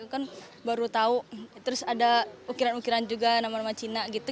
kan baru tahu terus ada ukiran ukiran juga nama nama cina gitu